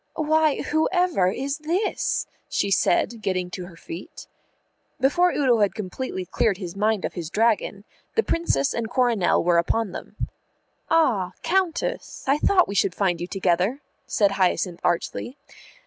"Why, whoever is this?" she said, getting to her feet. Before Udo had completely cleared his mind of his dragon, the Princess and Coronel were upon them. "Ah, Countess, I thought we should find you together," said Hyacinth archly.